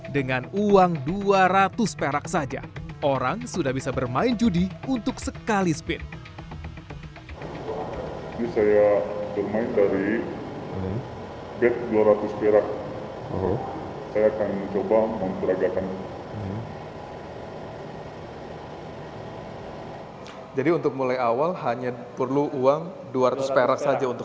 dengan uang dua ratus perak saja orang sudah bisa bermain judi untuk sekali spin